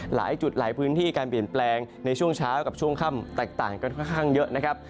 หลายจุดหลายพื้นที่การเปลี่ยนแปลงในช่วงเช้ากับช่วงค่ำแตกต่างกันค่อนข้างเยอะนะครับ